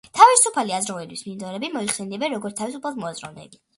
თავისუფალი აზროვნების მიმდევრები მოიხსენიებიან, როგორც თავისუფლად მოაზროვნეები.